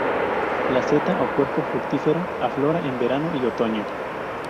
La seta, o cuerpo fructífero, aflora en verano y otoño.